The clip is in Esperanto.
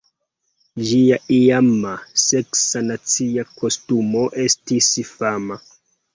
Ĝia iama saksa nacia kostumo estis fama.